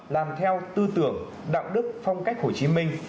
làm theo tư tưởng đạo đức phong cách hồ chí minh